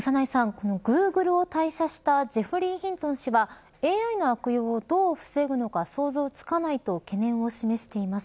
このグーグルを退社したジェフリー・ヒントン氏はＡＩの悪用をどう防ぐのか想像つかないと懸念を示しています。